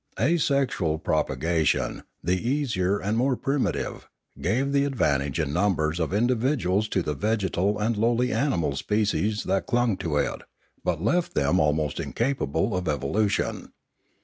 Asexual propagation, the easier and more primitive, gave the advantage in numbers of individuals to the vegetal and lowly animal species that clung to it, but left them almost incapable of evolution.